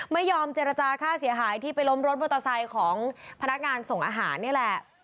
ไม่ยอมเจรจาค่าเสียหายที่ไปล้มรถมอเตอร์ไซค์ของพนักงานส่งอาหารนี่แหละ